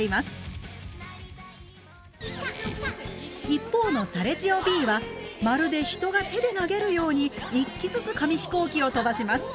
一方のサレジオＢはまるで人が手で投げるように１機ずつ紙飛行機を飛ばします。